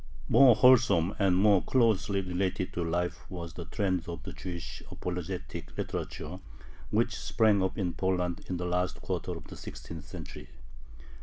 More wholesome and more closely related to life was the trend of the Jewish apologetic literature which sprang up in Poland in the last quarter of the sixteenth century.